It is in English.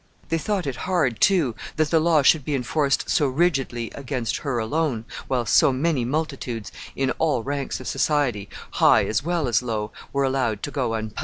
They thought it hard, too, that the law should be enforced so rigidly against her alone, while so many multitudes in all ranks of society, high as well as low, were allowed to go unpunished.